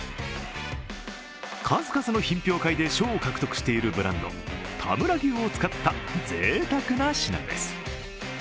数々の品評会で賞を獲得しているブランド、田村牛を使ったぜいたくな品です。